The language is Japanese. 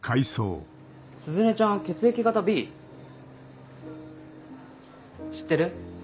鈴音ちゃんは血液型Ｂ知ってる？